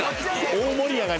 大盛り上がり。